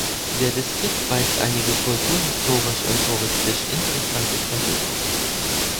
Der Distrikt weist einige kulturhistorisch und touristisch interessante Tempel auf.